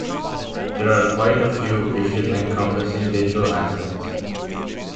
There are quite a few issues encompassing digital assets.